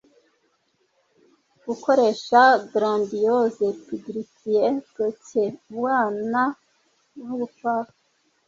Gukoresha grandiose puerilities puerilities ubwana ubupfapfa